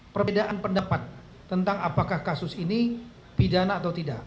perbedaan pendapat tentang apakah kasus ini pidana atau tidak